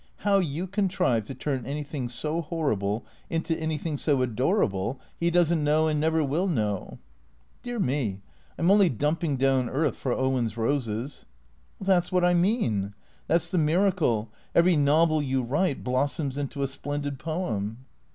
How you contrive to turn anything so horrible into anything so adorable he does n't know and never will know." " Dear me. I 'm only dumping down earth for Owen's roses." " That 's what I mean. That 's the miracle. Every novel you write blossoms into a splendid poem."